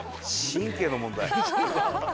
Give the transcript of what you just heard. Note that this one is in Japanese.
神経の問題？